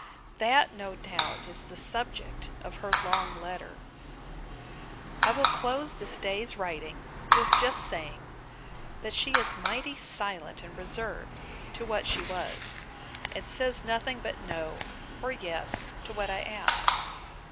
That, no doubt, is the subject of her long letter. I will close this day's writing, with just saying, that she is mighty silent and reserved, to what she was: and says nothing but No, or Yes, to what I ask.